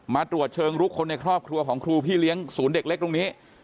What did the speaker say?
มาตรวจเชิงลุกคนในครอบครัวของครูพี่เลี้ยงศูนย์เด็กเล็กตรงนี้